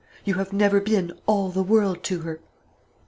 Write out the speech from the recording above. You have never been all the world to her."